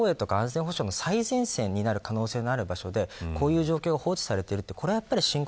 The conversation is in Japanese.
安全保障の最前線になる可能性がある場所でこういう状況が放置されている。